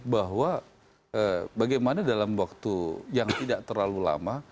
bahwa bagaimana dalam waktu yang tidak terlalu lama